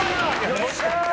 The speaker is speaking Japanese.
よっしゃー！